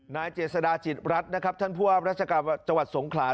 นายเจษฎาจิตรัฐนะครับท่านผู้ว่าราชการจังหวัดสงขลา